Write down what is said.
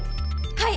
はい！